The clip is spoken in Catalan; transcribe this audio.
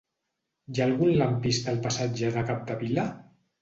Hi ha algun lampista al passatge de Capdevila?